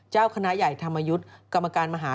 เจ้าคณะใหญ่ธรรมยุทธ์กรรมการมหา